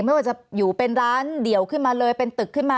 ไม่ว่าจะอยู่เป็นร้านเดี่ยวขึ้นมาเลยเป็นตึกขึ้นมา